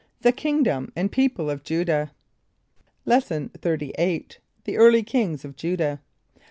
THE KINGDOM AND PEOPLE OF JUDAH Lesson XXXVIII. The Early Kings of Judah.